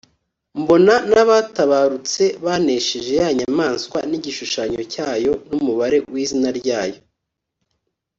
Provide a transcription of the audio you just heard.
mbona n’abatabarutse banesheje ya nyamaswa n’igishushanyo cyacyo n’umubare w’izina ryayo,